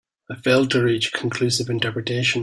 I failed to reach a conclusive interpretation.